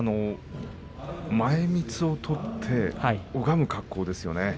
前みつを取って拝む格好ですね。